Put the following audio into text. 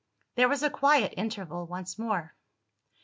There was a quiet interval once more.